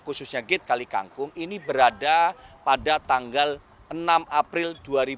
khususnya gede kali kangkung ini berada pada tanggal enam april dua ribu dua puluh empat